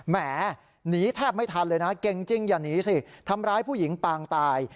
แหมหนีแทบไม่ทันเลยนะเก่งจริงอย่าหนีสิทำร้ายผู้หญิงปางตาย